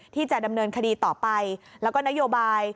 ที่จะดำเนินคดีต่อไปแล้วก็นโยบาย